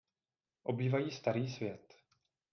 Obývají starý svět.